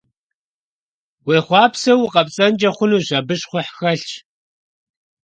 Уехъуапсэу укъэпцӀэнкӀэ хъунущ, абы щхъухь хэлъщ.